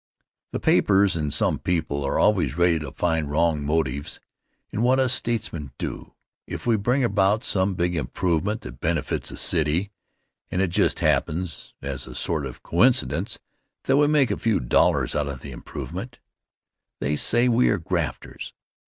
The papers and some people are always ready to find wrong motives in what us statesmen do. If we bring about some big improvement that benefits the city and it just happens, as a sort of coincidence, that we make a few dollars out of the improvement, they say we are grafters.